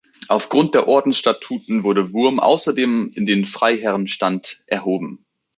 Aufgrund der Ordensstatuten wurde Wurm außerdem in den Freiherrenstand erhoben.